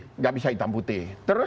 tidak bisa hitam putih